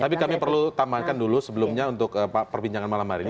tapi kami perlu tambahkan dulu sebelumnya untuk perbincangan malam hari ini